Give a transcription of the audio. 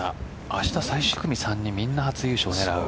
明日、最終組３人みんな初優勝を狙う。